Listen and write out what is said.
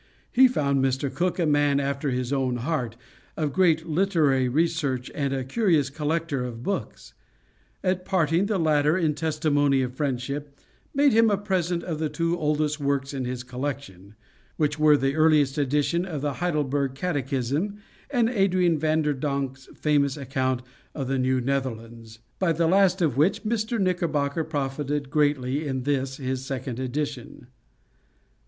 He found Mr. Cook a man after his own heart of great literary research, and a curious collector of books At parting, the latter, in testimony of friendship, made him a present of the two oldest works in his collection; which were, the earliest edition of the Heidelberg Catechism, and Adrian Vander Donck's famous account of the New Netherlands; by the last of which Mr. Knickerbocker profited greatly in this his second edition.